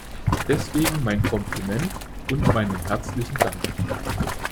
Deswegen mein Kompliment und meinen herzlichen Dank!